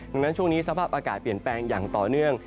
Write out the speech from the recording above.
ดังนั้นช่วงนี้สภาพอากาศเปลี่ยนแปลงอย่างต่อเนื่อง